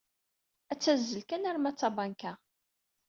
Ad tazzel kan arma d tabanka.